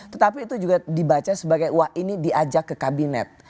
tetapi itu juga dibaca sebagai wah ini diajak ke kabinet